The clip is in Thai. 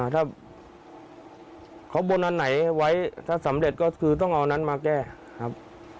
ถ้าเขาบนอันไหนไว้ถ้าสำเร็จก็คือต้องเอานั้นมาแก้ครับ